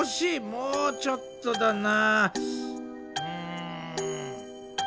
もうちょっとだな。